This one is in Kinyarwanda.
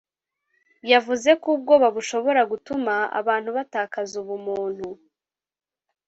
yavuze ko ubwoba bushobora gutuma abantu batakaza ubumuntu